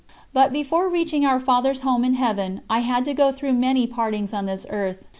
But before reaching Our Father's Home in Heaven, I had to go through many partings on this earth.